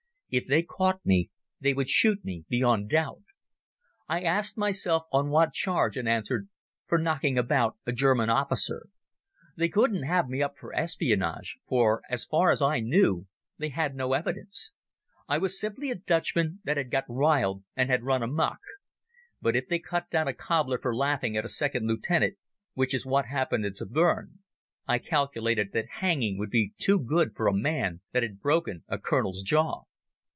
If they caught me they would shoot me beyond doubt. I asked myself on what charge, and answered, "For knocking about a German officer." They couldn't have me up for espionage, for as far as I knew they had no evidence. I was simply a Dutchman that had got riled and had run amok. But if they cut down a cobbler for laughing at a second lieutenant—which is what happened at Zabern—I calculated that hanging would be too good for a man that had broken a colonel's jaw.